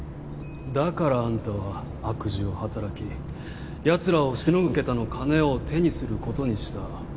だからあんたは悪事を働きやつらをしのぐ桁の金を手にすることにした。